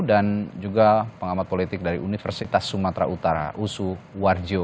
dan juga pengamat politik dari universitas sumatera utara usu warjo